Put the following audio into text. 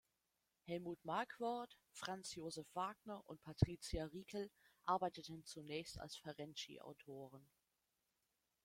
Helmut Markwort, Franz Josef Wagner und Patricia Riekel arbeiteten zunächst als Ferenczy-Autoren.